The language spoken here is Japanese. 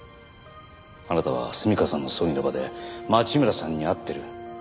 あなたは純夏さんの葬儀の場で町村さんに会ってる。